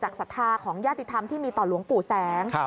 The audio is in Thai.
ศรัทธาของญาติธรรมที่มีต่อหลวงปู่แสง